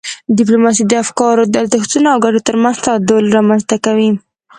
ډیپلوماسي د افکارو، ارزښتونو او ګټو ترمنځ تعادل رامنځته کوي.